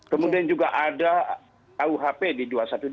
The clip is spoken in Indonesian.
kemudian juga ada kuhp di dua ratus dua belas